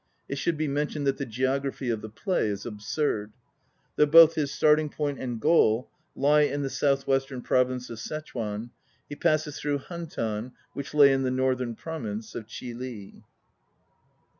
It should be men tioned that the geography of the play is absurd. Though both hi tart ing point and goal lie in the south western province of Ssechuan, he passes through Hantan, 1 which lay in the northern province of Chih ii.